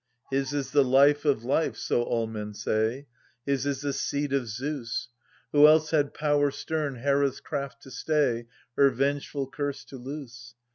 His is the life of life — so all men say, — His is the seed of Zeus. ^ Who else had power stern Herds craft to stay, ^ Her vengeful curse to loose